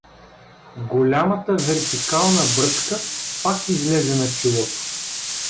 Голямата вертикална бръчка пак излезе на челото.